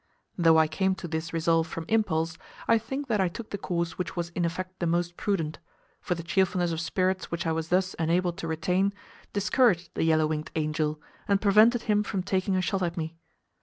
Though I came to this resolve from impulse, I think that I took the course which was in effect the most prudent, for the cheerfulness of spirits which I was thus enabled to retain discouraged the yellow winged angel, and prevented him from taking a shot at me.